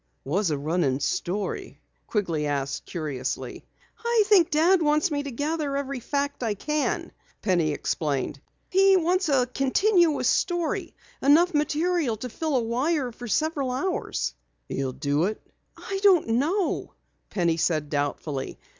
"What's a running story?" Quigley asked curiously. "I think Dad wants me to gather every fact I can," Penny explained. "He wants a continuous story enough material to fill a wire for several hours." "You'll do it?" "I don't know," Penny said doubtfully.